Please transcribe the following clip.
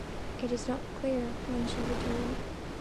It is not clear when she returned.